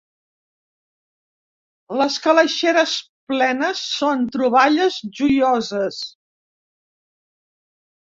Les calaixeres plenes són troballes joioses.